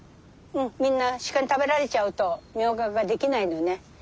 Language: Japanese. みんな鹿に食べられちゃうとミョウガが出来ないのね。